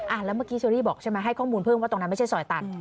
แล้วเมื่อกี้เชอรี่บอกใช่ไหมให้ข้อมูลเพิ่มว่าตรงนั้นไม่ใช่ซอยตัด